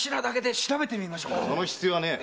その必要はない。